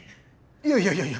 いやいやいやいや。